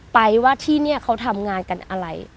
ไปว่าที่นี่เขาทำงานกันอะไร